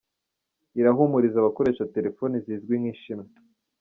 irahumuriza abakoresha telefoni zizwi nk’ “inshinwa”